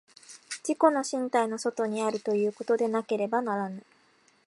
自己の身体の外にあるということでなければならぬ。